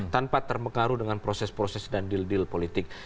tanpa terpengaruh dengan proses proses dan deal deal politik